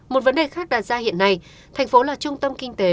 một vấn đề khác đặt ra hiện nay thành phố là trung tâm kinh tế